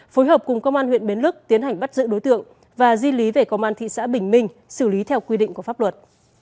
phối hợp cùng công an huyện bến lức tiến hành bắt giữ đối tượng và di lý về công an thị xã bình minh xử lý theo quy định của pháp luật